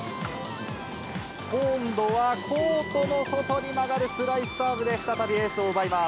今度はコートの外に曲がるスライスサーブで再びエースを奪います。